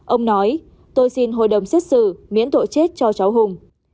ông nói tôi xin hội đồng xét xử miễn tội chết cho cháu hùng